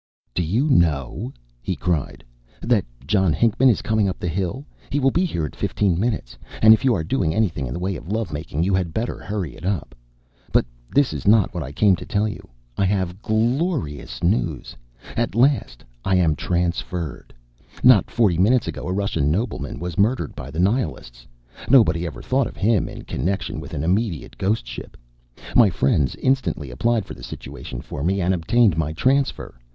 "Do you know," he cried, "that John Hinckman is coming up the hill? He will be here in fifteen minutes; and if you are doing anything in the way of love making, you had better hurry it up. But this is not what I came to tell you. I have glorious news! At last I am transferred! Not forty minutes ago a Russian nobleman was murdered by the Nihilists. Nobody ever thought of him in connection with an immediate ghost ship. My friends instantly applied for the situation for me, and obtained my transfer.